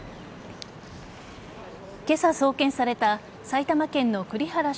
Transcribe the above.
今朝、送検された埼玉県の栗原翔